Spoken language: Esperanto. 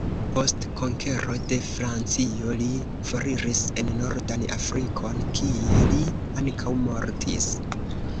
Post konkero de Francio li foriris en nordan Afrikon, kie li ankaŭ mortis.